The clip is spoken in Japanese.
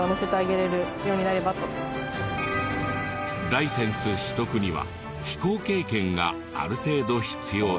ライセンス取得には飛行経験がある程度必要で。